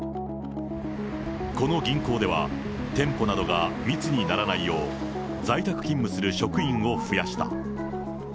この銀行では、店舗などが密にならないよう、在宅勤務する職員を増やした。